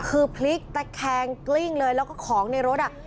คือพลิกตะแคงกลิ้งเลยแล้วก็ของในรถอ่ะ